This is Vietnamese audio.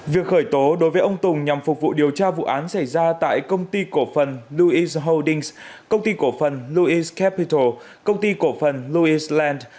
việc khởi tố đối với ông tùng nhằm phục vụ điều tra vụ án xảy ra tại công ty cổ phần lewis holdings công ty cổ phần lewis capital công ty cổ phần lewis land